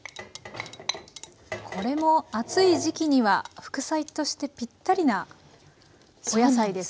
これも暑い時期には副菜としてぴったりなお野菜ですね。